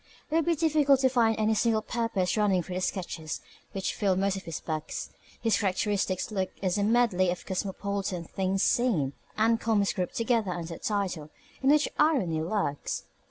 It would be difficult to find any single purpose running through the sketches which fill most of his books. His characteristic book is a medley of cosmopolitan "things seen" and comments grouped together under a title in which irony lurks.